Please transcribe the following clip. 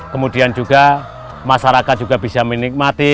kemudian juga masyarakat juga bisa menikmati